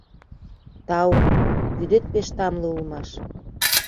Тау, вӱдет пеш тамле улмаш.